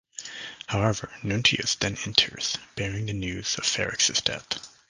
However, Nuntius then enters, bearing the news of Ferrex's death.